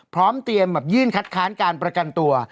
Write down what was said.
พร้อมเตรียมยื่นคัดค้านการประกันตัว